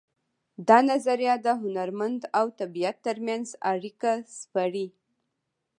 دا نظریه د هنرمن او طبیعت ترمنځ اړیکه سپړي